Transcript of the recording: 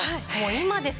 今ですね